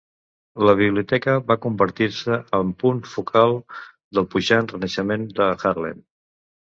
La biblioteca va convertir-se en punt focal del puixant Renaixement de Harlem.